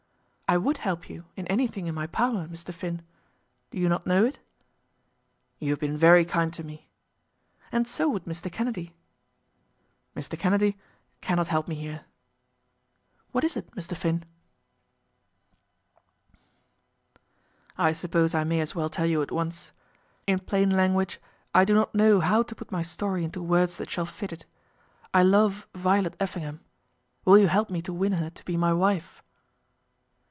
"I would help you in anything in my power, Mr. Finn. Do you not know it?" "You have been very kind to me!" "And so would Mr. Kennedy." "Mr. Kennedy cannot help me here." "What is it, Mr. Finn?" "I suppose I may as well tell you at once, in plain language, I do not know how to put my story into words that shall fit it. I love Violet Effingham. Will you help me to win her to be my wife?"